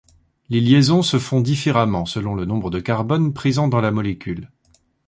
Les liaisons se font différemment selon le nombre de carbone présent dans la molécule.